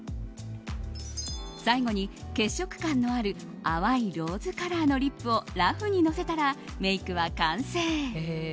最後に、血色感のある淡いローズカラーのリップをラフにのせたら、メイクは完成！